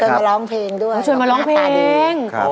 ชวนมาร้องเพลงด้วยคุณติมมาดี